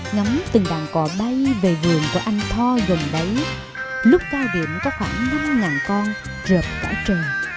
ngắm từng đàn cò bay về vườn của anh tho gần đấy lúc cao điểm có khoảng năm con trượt cả trời